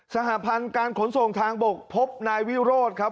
สหพันธ์การขนส่งทางบกพบนายวิโรธครับ